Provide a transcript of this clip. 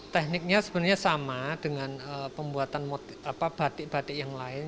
tekniknya sebenarnya sama dengan pembuatan batik batik yang lain